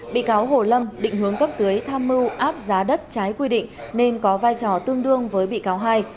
bị cáo hồ lâm định hướng cấp dưới tham mưu áp giá đất trái quy định nên có vai trò tương đương với bị cáo hai